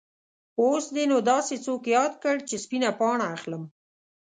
اوس دې نو داسې څوک یاد کړ چې سپینه پاڼه اخلم.